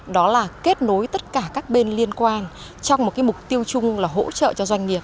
đó là kết nối tất cả các bên liên quan trong một mục tiêu chung là hỗ trợ cho doanh nghiệp